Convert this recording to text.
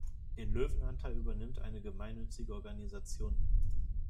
Den Löwenanteil übernimmt eine gemeinnützige Organisation.